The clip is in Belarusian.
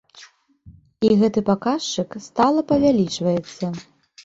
І гэты паказчык стала павялічваецца.